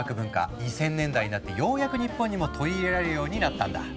２０００年代になってようやく日本にも取り入れられるようになったんだ。